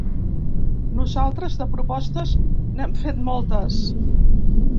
Nosaltres, de propostes, n’hem fet moltes.